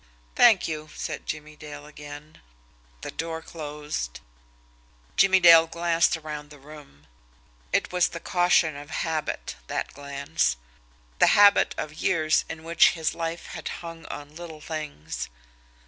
"Thank you," said Jimmie Dale again. The door closed. Jimmie Dale glanced around the room. It was the caution of habit, that glance; the habit of years in which his life had hung on little things.